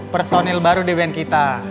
personil baru di band kita